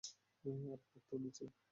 আরে হাত তো নিচেই!